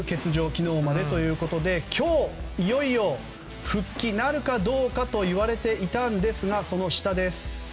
昨日までということで今日、いよいよ復帰なるかどうかといわれていたんですがその下です。